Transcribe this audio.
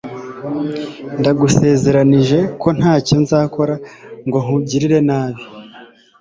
Ndagusezeranije ko ntacyo nzakora ngo nkugirire nabi